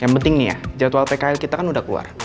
yang penting nih ya jadwal pkl kita kan udah keluar